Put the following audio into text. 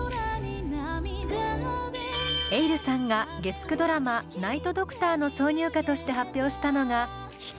ｅｉｌｌさんが月９ドラマ「ナイト・ドクター」の挿入歌として発表したのが「ｈｉｋａｒｉ」。